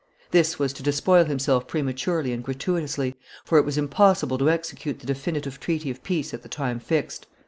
This was to despoil himself prematurely and gratuitously, for it was impossible to execute the definitive treaty of peace at the time fixed.